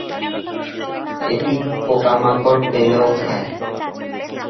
এটি, পোকা-মাকড় পেলেও খায়